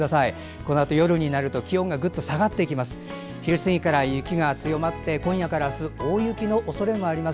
このあと夜になると気温がぐっと下がっていきます。